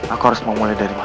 aku harus memulai dari mana